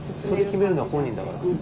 それを決めるのは本人だから。